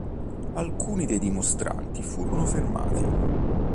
Alcuni dei dimostranti furono fermati.